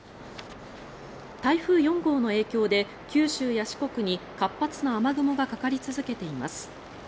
台風４号の影響で九州や四国に活発な雨雲がかかり続けています。